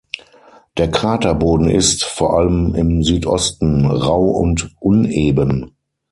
Der Kraterboden ist, vor allem im Südosten, rau und uneben.